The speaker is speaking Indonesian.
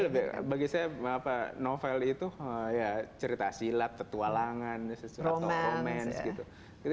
sebelumnya lebih bagi saya novel itu cerita silat petualangan sesuatu romance gitu